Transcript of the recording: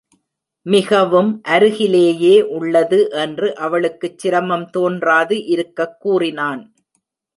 மிகவும் அருகிலேயே உள்ளது என்று அவளுக்குச் சிரமம் தோன்றாது இருக்கக் கூறினான்.